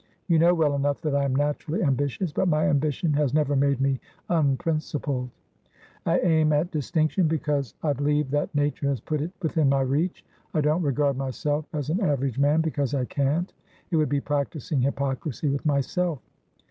You know well enough that I am naturally ambitious, but my ambition has never made me unprincipled. I aim at distinction, because I believe that nature has put it within my reach. I don't regard myself as an average man, because I can't; it would be practising hypocrisy with myself.